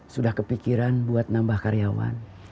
sudah kepikiran buat nambah karyawan